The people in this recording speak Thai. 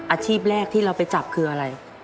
อาชีพแรกที่เราไปจับคืออะไร